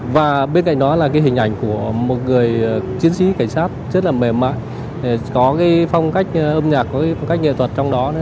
và bên cạnh đó là hình ảnh của một người chiến sĩ cảnh sát rất mềm mại có phong cách âm nhạc phong cách nghệ thuật trong đó